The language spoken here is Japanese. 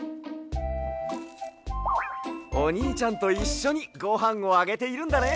おにいちゃんといっしょにごはんをあげているんだね。